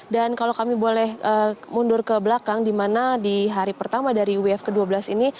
dan kalau kami boleh mundur ke belakang di mana di hari pertama dari uf ke dua belas ini